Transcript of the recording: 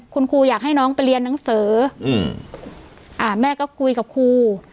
คุณครูอยากให้น้องไปเรียนหนังสืออืมอ่าแม่ก็คุยกับครู